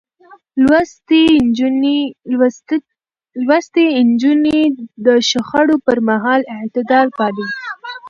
لوستې نجونې د شخړو پر مهال اعتدال پالي.